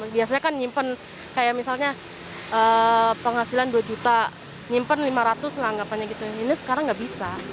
biasanya kan nyimpen kayak misalnya penghasilan dua juta nyimpen lima ratus lah anggapannya gitu ini sekarang nggak bisa